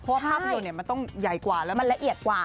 เพราะว่าภาพยนตร์มันต้องใหญ่กว่าแล้วมันละเอียดกว่า